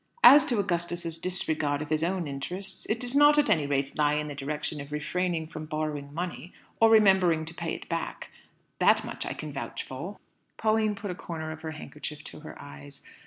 As to Augustus's disregard of his own interests, it does not at any rate lie in the direction of refraining from borrowing money, or remembering to pay it back; that much I can vouch for." Pauline put a corner of her handkerchief to her eyes.